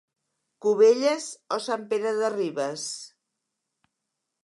Cubelles o Sant Pere de Ribes.